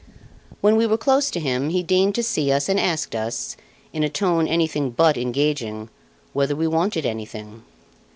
When we were close to him, he deigned to see us and asked us, in a tone anything but engaging, whether we wanted anything.